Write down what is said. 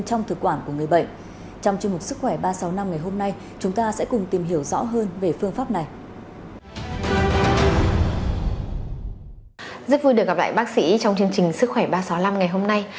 rất vui được gặp lại bác sĩ trong chương trình sức khỏe ba trăm sáu mươi năm ngày hôm nay